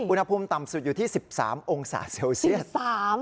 อุณหภูมิต่ำสุดอยู่ที่๑๓องศาเซลเซียส